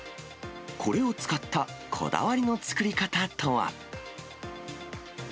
これを使ったこだわりの作り方とは。